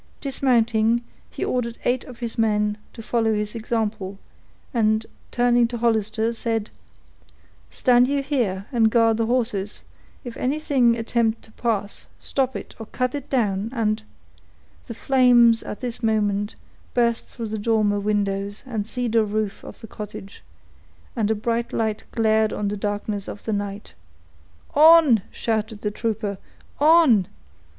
Dismounting, he ordered eight of his men to follow his example, and turning to Hollister, said,— "Stand you here, and guard the horses; if anything attempt to pass, stop it, or cut it down, and—" The flames at this moment burst through the dormer windows and cedar roof of the cottage, and a bright light glared on the darkness of the night. "On!" shouted the trooper "on!